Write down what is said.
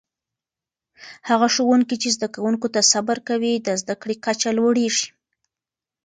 هغه ښوونکي چې زده کوونکو ته صبر کوي، د زده کړې کچه لوړېږي.